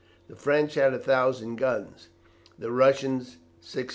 The French had a thousand guns, the Russians 640.